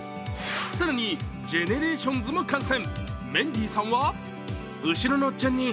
更にＧＥＮＥＲＡＴＩＯＮＳも観戦。